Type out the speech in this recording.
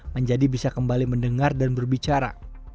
menjadi bisa kembali mendengar dan berbicara